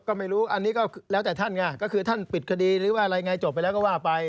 ก็ไม่รู้อันนี้ก็แล้วแต่ท่านไงก็คือท่านปิดคดีหรือว่าอะไรไงจบไปแล้วก็ว่าไป